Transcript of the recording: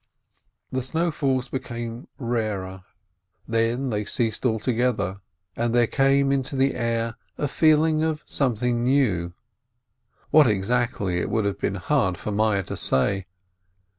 The snowfalls became rarer, then they ceased alto gether, and there came into the air a feeling of some thing new — what exactly, it would have been hard for Meyerl to say.